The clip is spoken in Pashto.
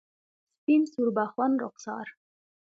سپین سوربخن رخسار